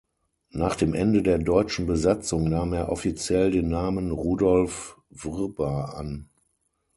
Nach dem Ende der deutschen Besatzung nahm er offiziell den Namen Rudolf Vrba an.